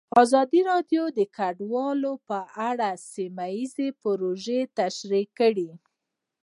ازادي راډیو د کډوال په اړه سیمه ییزې پروژې تشریح کړې.